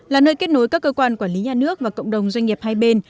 là nơi kết nối các cơ quan quản lý nhà nước và cộng đồng doanh nghiệp hai bên